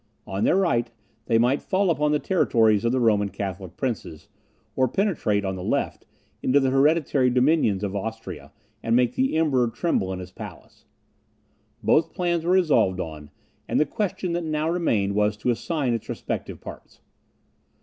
On their right, they might fall upon the territories of the Roman Catholic princes, or penetrate, on the left, into the hereditary dominions of Austria, and make the Emperor tremble in his palace. Both plans were resolved on; and the question that now remained was to assign its respective parts.